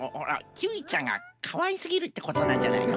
キーウィちゃんがかわいすぎるってことなんじゃないの。